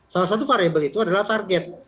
salah satu variable itu adalah target